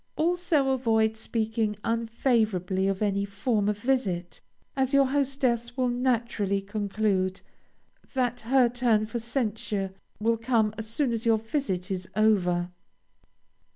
Also avoid speaking unfavorably of any former visit, as your hostess will naturally conclude that her turn for censure will come as soon as your visit is over.